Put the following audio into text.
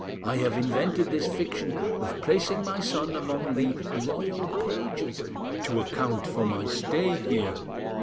I have invented this fiction of placing my son among the, royal pages to account for my stay here.